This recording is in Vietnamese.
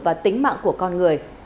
và tính mạng của con người